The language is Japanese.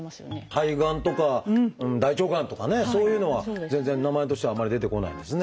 肺がんとか大腸がんとかねそういうのは全然名前としてはあんまり出てこないんですね。